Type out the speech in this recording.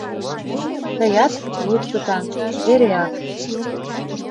Тыят, лудшо таҥ, эреак.